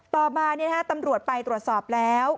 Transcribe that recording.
ต่อมาตำรวจไปตรวจสอบแล้ว